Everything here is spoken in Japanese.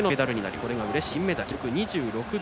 それがうれしい金メダル。